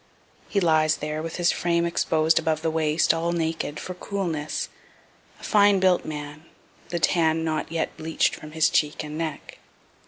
He lies there with his frame exposed above the waist, all naked, for coolness, a fine built man, the tan not yet bleach'd from his cheeks and neck.